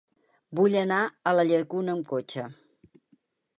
Vull anar a la Llacuna amb cotxe.